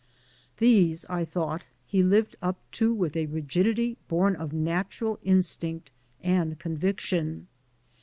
These, I thought, he lived up to with a rigidity bom of natural instinct and conviction.